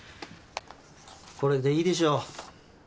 これでいいでしょ。